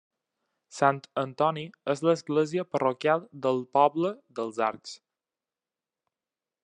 Sant Antoni és l'església parroquial del poble d'Els Arcs.